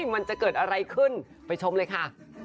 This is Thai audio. มันจะเกิดอะไรขึ้นไปชมเลยค่ะ